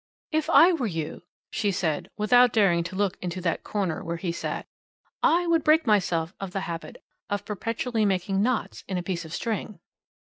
"If I were you," she said, without daring to look into that corner where he sat, "I would break myself of the habit of perpetually making knots in a piece of string."